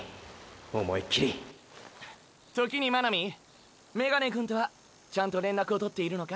思いっきり時に真波メガネくんとはちゃんと連絡を取っているのか？